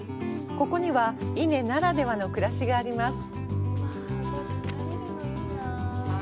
ここには伊根ならではの暮らしがあります。